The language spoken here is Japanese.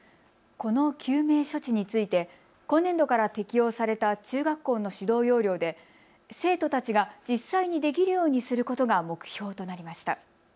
この救命処置について今年度から適用された中学校の指導要領で生徒たちが実際にできるようにすることが目標となりました。